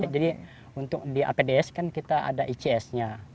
jadi untuk di apds kan kita ada ics nya